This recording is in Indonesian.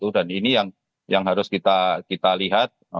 dan ini yang harus kita lihat